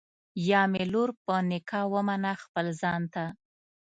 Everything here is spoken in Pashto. یا مي لور په نکاح ومنه خپل ځان ته